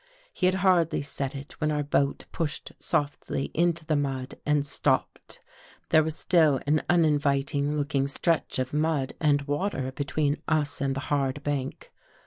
He had hardly said it, when our boat pushed softly into the mud and stopped. There was still an uninviting looking stretch of mud and water be tween us and the hard bank.